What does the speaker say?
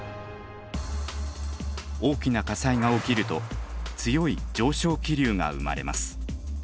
大きな火災が起きると強い上昇気流が生まれます。